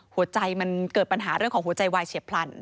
หัวใจมันเกิดปัญหาเรื่องของหัวใจวายเฉียบพลัน